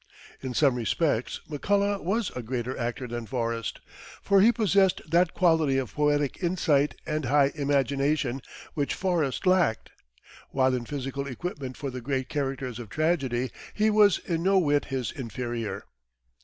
In some respects McCullough was a greater actor than Forrest, for he possessed that quality of poetic insight and high imagination which Forrest lacked, while in physical equipment for the great characters of tragedy he was in no whit his inferior.